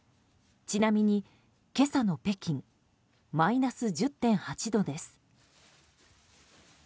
ちなみに今朝の北京マイナス１０．８度です。